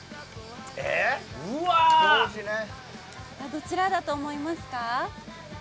どちらだと思いますか？